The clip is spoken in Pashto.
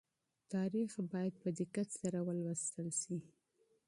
تاريخ بايد په دقت سره مطالعه کړئ.